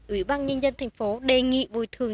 ủy ban nhân dân thành phố đề nghị bồi thường